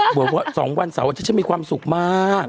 เหมือนว่า๒วันเสาร์จะมีความสุขมาก